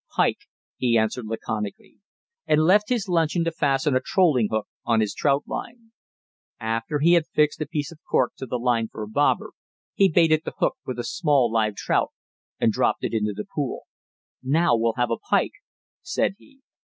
"Pike," he answered laconically, and left his luncheon to fasten a trolling hook on his trout line. After he had fixed a piece of cork to the line for a "bobber," he baited the hook with a small live trout and dropped it into the pool. "Now we'll have a pike," said he.